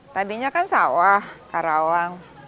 tadinya kan sawah karawang